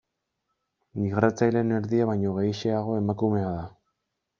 Migratzaileen erdia baino gehixeago emakumea da.